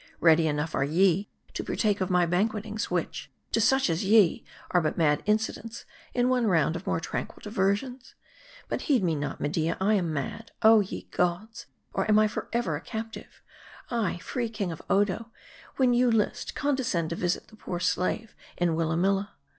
Ready enough are ye to partake of my banquetings, which, to such as ye, are but mad inci dents in one round of more tranquil diversions. But heed me not, Media ; I am mad. Oh, ye gods ! am I forever a, captive ? Ay, free king of Odo, when you list, condescend to visit the poor slave in Willarnilla.